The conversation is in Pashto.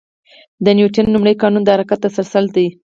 د نیوتن لومړی قانون د حرکت تسلسل دی.